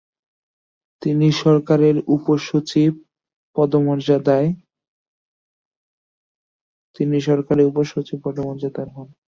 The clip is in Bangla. তিনি সরকারের উপ সচিব পদমর্যাদার হোন।